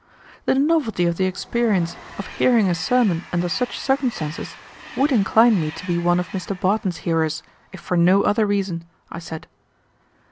"The novelty of the experience of hearing a sermon under such circumstances would incline me to be one of Mr. Barton's hearers, if for no other reason," I said.